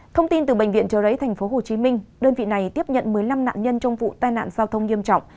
thông tin từ bệnh viện trợ rẫy tp hcm đơn vị này tiếp nhận một mươi năm nạn nhân trong vụ tai nạn giao thông nghiêm trọng